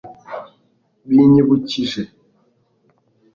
binyibukije